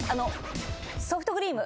ソフトクリーム。